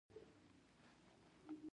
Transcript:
زه دفتر کې یم.